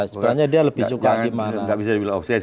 sebenarnya dia lebih suka bagaimana